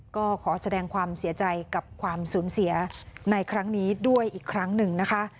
ก็ขอแสดงความเสียใจกับความสูญเสียในครั้งนี้ด้วยอีกครั้งหนึ่งนะคะ